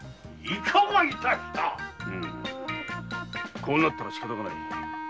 こうなったらしかたない。